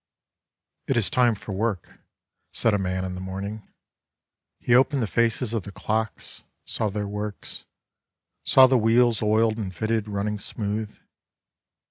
It is time for work," said a man in the morning. He opened the faces of the clocks, saw their works, Saw the wheels oiled and fitted, running smooth.